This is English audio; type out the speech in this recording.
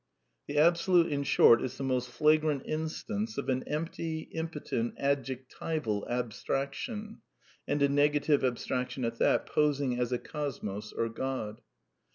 The Absolute, in short, is the most flagrant instance of an empty, impotent, adjectival abstraction — and a nega tive abstraction at that — posing as a cosmos or God.